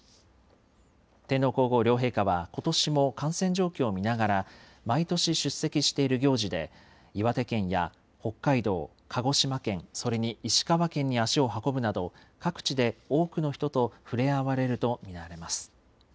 天皇皇后両陛下は、ことしも感染状況を見ながら、毎年出席している行事で、岩手県や北海道、鹿児島県、それに石川県に足を運ぶなど、各地で多くの人とふれあわれると見られます。